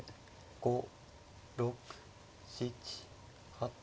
５６７８。